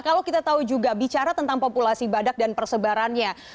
kalau kita tahu juga bicara tentang populasi badak dan persebarannya